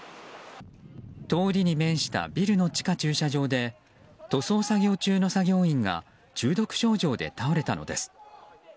通りに面したビルの地下駐車場で塗装作業中の作業員が中毒症状で倒れたのです。